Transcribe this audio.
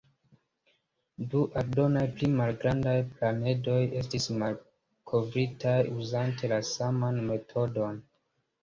Du aldonaj pli malgrandaj planedoj estis malkovritaj uzante la saman metodon.